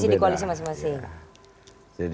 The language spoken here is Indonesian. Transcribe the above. di koalisi masing masing